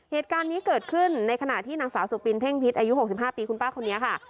เหตุการณ์นี้เกิดขึ้นในขณะที่นางสาวสุปินเพ่งพิษอายุ๖๕ปีคุณป้าคนนี้ค่ะ